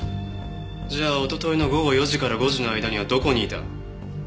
じゃあ一昨日の午後４時から５時の間にはどこにいた？